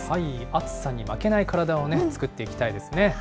暑さに負けない体を作っていきたいですね。